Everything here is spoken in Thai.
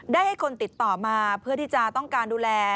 ให้คนติดต่อมาเพื่อที่จะต้องการดูแล